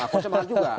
kosnya mahal juga